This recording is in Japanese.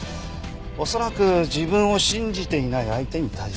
恐らく自分を信じていない相手に対する怒りでしょうね。